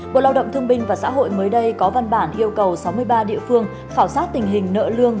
bộ lao động thương binh và xã hội mới đây có văn bản yêu cầu sáu mươi ba địa phương khảo sát tình hình nợ lương